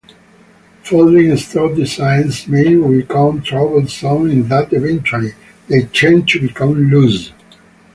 Folding stock designs may become troublesome in that eventually they tend to become loose.